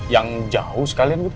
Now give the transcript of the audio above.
yang jauh sekalian gitu